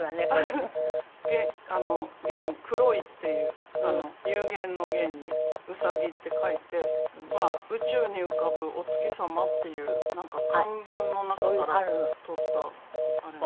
黒いっていう幽玄の「玄」に「兎」って書いて宇宙に浮かぶお月様っていう漢文の中から取ったあれなんですけど。